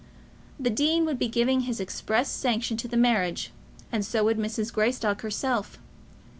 The dean would be giving his express sanction to the marriage, and so would Mrs. Greystock herself.